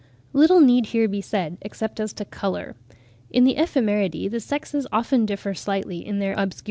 Little need here be said, except as to colour. In the Ephemeridae the sexes often differ slightly in their obscure tints (49.